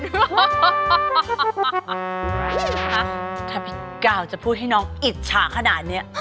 คะถ้าพี่ก้าวจะพูดให้น้องอิจฉาขนาดนี้